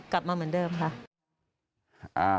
กลับมาเหมือนเดิมค่ะ